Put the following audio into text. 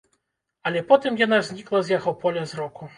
Але потым яна знікла з яго поля зроку.